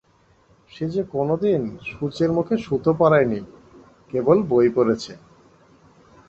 সে যে কোনোদিন সুঁচের মুখে সুতো পরায় নি, কেবল বই পড়েছে।